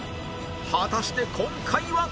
果たして今回は？